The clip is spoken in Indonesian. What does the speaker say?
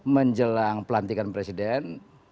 menjelang pelantikan presiden